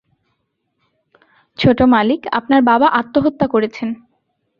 ছোট মালিক, আপনার বাবা আত্মহত্যা করেছেন।